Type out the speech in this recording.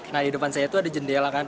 nah di depan saya itu ada jendela kan